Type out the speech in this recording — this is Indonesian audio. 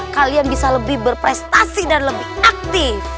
kalian bisa lebih berprestasi dan lebih aktif